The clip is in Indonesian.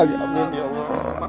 selamatkan dunia akhirat untuk kalian